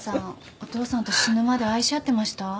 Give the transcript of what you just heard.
お父さんと死ぬまで愛し合ってました？